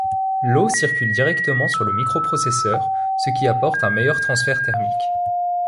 L'eau circule directement sur le microprocesseur, ce qui apporte un meilleur transfert thermique.